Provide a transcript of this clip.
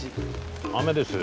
雨ですよ。